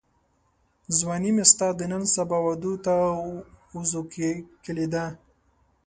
ځواني مي ستا د نن سبا وعدو ته وزوکلېده